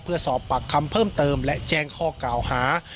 เพื่อสอบปากคำเพิ่มเติมและแจ้งข้อกล่าวหา